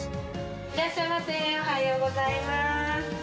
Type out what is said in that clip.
いらっしゃいませ、おはようございます。